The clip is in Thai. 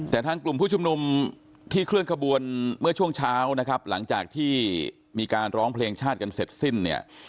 แต่ทางกลุ่มผู้ชุมนุมที่เคลื่อนขบวนเมื่อช่วงเช้านะครับหลังจากที่มีการร้องเพลงชาติกันเสร็จสิ้นเนี่ย